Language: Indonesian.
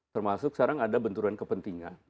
termasuk sekarang ada benturan kepentingan